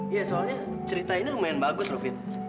ya soalnya cerita ini lumayan bagus loh fit